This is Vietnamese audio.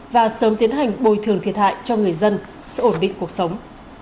và sớm tiến hành bồi thường thiệt hại cho người dân sự ổn định cuộc sống